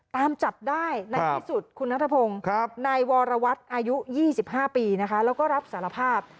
ตามจับได้ในที่สุดคุณนัทพงศ์นายวรวัตรอายุ๒๕ปีนะคะแล้วก็รับสารภาพ